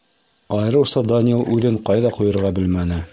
Айырыуса Данил үҙен ҡайҙа ҡуйырға белмәне.